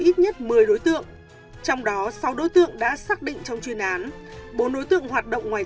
ít nhất một mươi đối tượng trong đó sáu đối tượng đã xác định trong chuyên án bốn đối tượng hoạt động ngoài